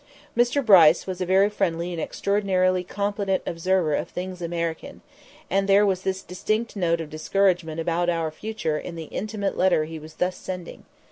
Mr. Bryce was a very friendly and extraordinary competent observer of things American; and there was this distinct note of discouragement about our future in the intimate letter he was thus sending.